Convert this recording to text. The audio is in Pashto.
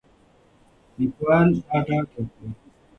لیکوال دا ډاډ راکوي.